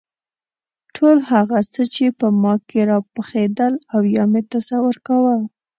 ټول هغه څه چې په ما کې راپخېدل او یا مې تصور کاوه.